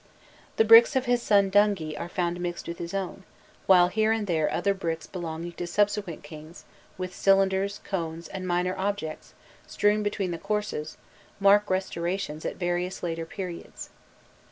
The bricks of his son Dungi are found mixed with his own, while here and there other bricks belonging to subsequent kings, with cylinders, cones, and minor objects, strewn between the courses, mark restorations at various later periods.